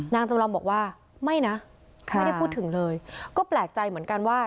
นางจำลองบอกว่าไม่นะไม่ได้พูดถึงเลยก็แปลกใจเหมือนกันว่า